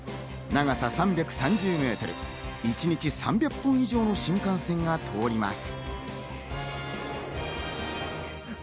長さ３３０メートル、一日３００本以上の新幹線が通ります。